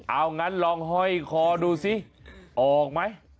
เอางั้นลองห้อยคอดูสิออกไหม